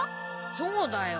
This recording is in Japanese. そうだよ。